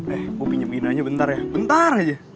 eh gue pinjam gina aja bentar ya bentar aja